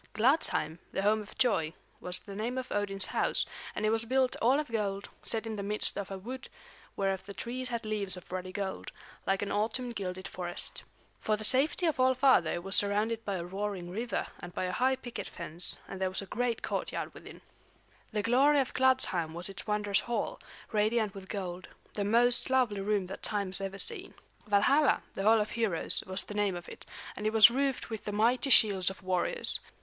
Gladsheim, the home of joy, was the name of Odin's house, and it was built all of gold, set in the midst of a wood whereof the trees had leaves of ruddy gold, like an autumn gilded forest. For the safety of All Father it was surrounded by a roaring river and by a high picket fence; and there was a great courtyard within. The glory of Gladsheim was its wondrous hall, radiant with gold, the most lovely room that time has ever seen. Valhalla, the Hall of Heroes, was the name of it, and it was roofed with the mighty shields of warriors.